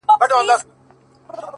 شاعره ياره ستا قربان سمه زه ـ